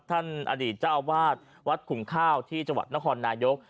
ท่านอดีตเจ้าวาดวัดขุมค่าวที่จังหวัดนครนายก